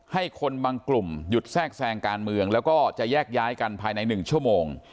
ให้คนบางกลุ่มหยุดแทรกแทรงการเมืองแล้วก็จะแยกย้ายกันภายใน๑ชั่วโมง